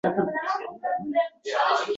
U yolg‘iz va betob.